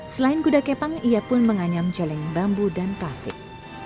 selain kuda kepang ia pun menganyam celeng bambu dan plastik